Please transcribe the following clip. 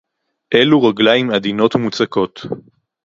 אֵילוּ רַגְלַיִם עֲדִינוֹת וּמוּצָקוֹת!